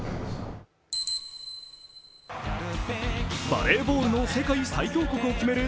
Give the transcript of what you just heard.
バレーボールの世界最強国を決める